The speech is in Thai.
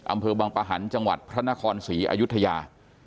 อำเภอบังปะหันต์จังหวัดพระนครศรีอยุธยา